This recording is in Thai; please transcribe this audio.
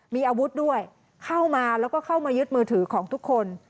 มีอาวุธด้วยเข้ามาแล้วก็เข้ามายึดมือถือของทุกคน